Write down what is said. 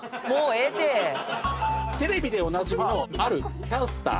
テレビでおなじみのあるキャスター。